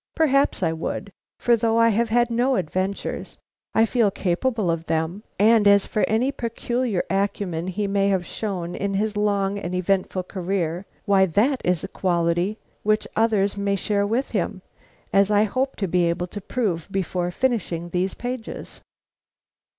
Perhaps I would; for though I have had no adventures, I feel capable of them, and as for any peculiar acumen he may have shown in his long and eventful career, why that is a quality which others may share with him, as I hope to be able to prove before finishing these pages.